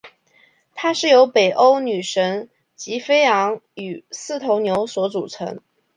它是由北欧女神吉菲昂与四头牛所组成。